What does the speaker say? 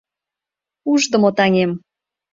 Уждымо таҥем